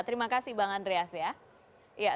terima kasih bang andreas ya